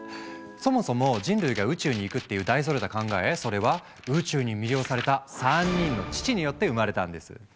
そもそも人類が宇宙に行くっていう大それた考えそれは「宇宙に魅了された３人の父」によって生まれたんです。